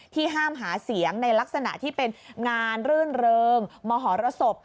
ห้ามหาเสียงในลักษณะที่เป็นงานรื่นเริงมหรสบ